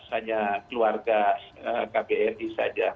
hanya keluarga kbri saja